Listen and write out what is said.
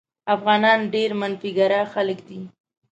افغانان ډېر منفي ګرا خلک دي.